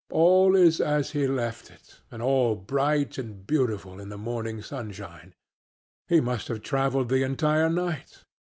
All is as he left it, and all bright and beautiful in the morning sunshine. He must have traveled the entire night.